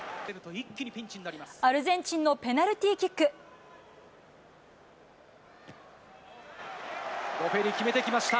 アルゼンチンのペナルティーボフェリ、決めてきました。